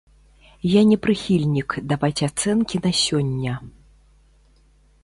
Я не прыхільнік даваць ацэнкі на сёння.